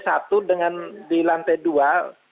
satu dengan di lantai dua